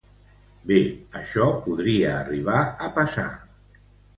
Bé, això podria arribar a passar.